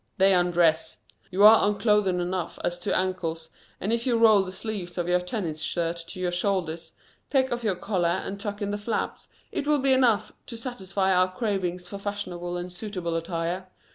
"They undress. You are unclothed enough as to ankles and if you roll the sleeves of your tennis shirt to your shoulders, take off your collar and tuck in the flaps, it will be enough to satisfy our cravings for fashionable and suitable attire.